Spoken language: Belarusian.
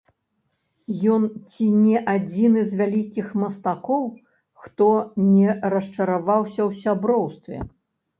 Ён ці не адзіны з вялікіх мастакоў, хто не расчараваўся ў сяброўстве.